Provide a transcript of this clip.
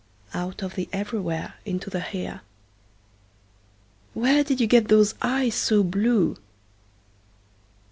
Out of the everywhere into the here. Where did you get those eyes so blue?